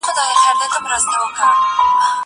زه پرون سپينکۍ مينځلې؟!